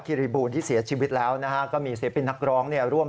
คิริบูรณ์ที่เสียชีวิตแล้วนะฮะก็มีเสียเป็นนักร้องเนี่ยร่วม